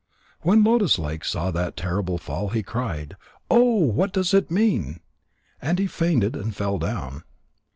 When Lotus lake saw that terrible fall, he cried: "Oh, what does it mean?" And he fainted and fell down.